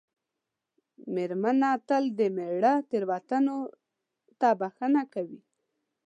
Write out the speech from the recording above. مېرمنه تل د مېړه تېروتنو ته بښنه کوي.